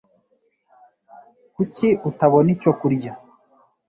Kuki utabona icyo kurya